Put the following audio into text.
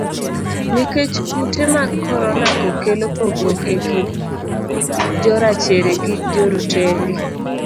Nikech kute mag korona go kelo pogruok e kind jorachere gi jorotenge.